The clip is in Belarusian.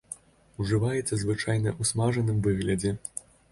Ужываецца звычайна ў смажаным выглядзе.